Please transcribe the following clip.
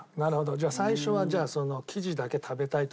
じゃあ最初はその生地だけ食べたいとかって。